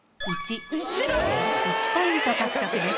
４ポイント獲得です。